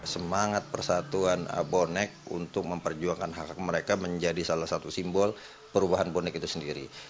semangat persatuan bonek untuk memperjuangkan hak hak mereka menjadi salah satu simbol perubahan bonek itu sendiri